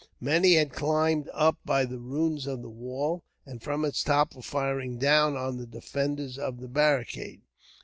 Many had climbed up by the ruins of the wall, and from its top were firing down on the defenders of the barricade.